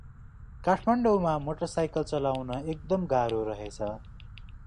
काठ्माडाैंमा motorcycle चलाउन एकदम गाह्रो रहेछ ।